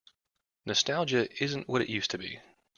Nostalgia isn't what it used to be.